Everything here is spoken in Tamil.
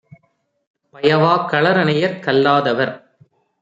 பயவாக் களரனையர் கல்லாதவர்